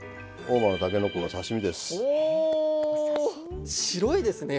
合馬のたけのこの刺身です。